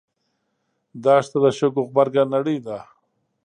دښته د شګو غبرګه نړۍ ده.